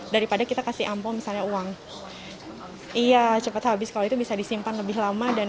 daripada kita kasih ampo misalnya uang iya cepat habis kalau itu bisa disimpan lebih lama dan